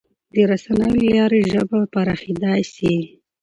د رسنیو له لارې ژبه پراخېدای سي.